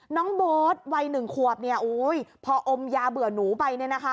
น้องโบ๊ทวัย๑ขวบเนี่ยโอ้ยพออมยาเบื่อหนูไปเนี่ยนะคะ